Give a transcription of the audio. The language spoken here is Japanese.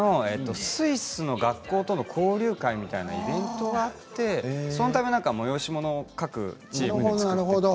スイスの学校との交流会みたいなイベントがあって催し物を各チームで作って。